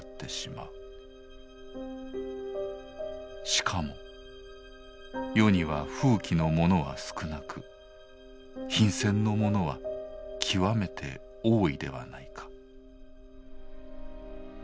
しかも世には富貴の者は少なく貧賤の者は極めて多いではないか。